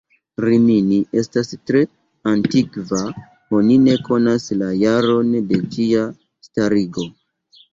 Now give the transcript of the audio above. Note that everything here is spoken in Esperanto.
Rimini estas tre antikva, oni ne konas la jaron de ĝia starigo.